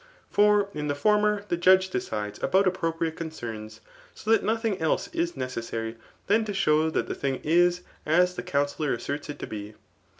For in the former the judge decides about appropriate concerns ; sg that nothing else is necessary than to show that the thing id as the counsellor asserts it to be.